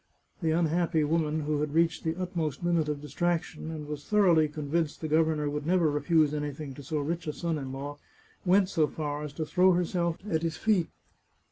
The unhappy woman, who had reached the utmost limit of distraction, and was thoroughly convinced the governor would never refuse anything to so rich a son in law, went so far as to throw herself at his feet.